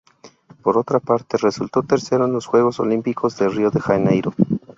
Por otra parte, resultó tercero en los Juegos Olímpicos de Río de Janeiro.